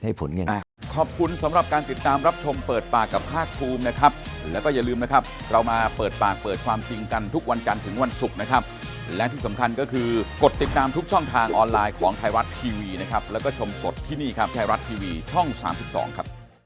ดังนั้นต้องไปดูบันทึกแรงงานการประชุมว่าทุกคนให้เหตุให้ผลยังไง